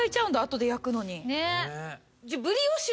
後で焼くのに。